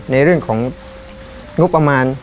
ในเรื่องของงบประมาณ